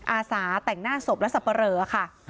อาสาแต่งหน้าศพและสับปะเรอค่ะ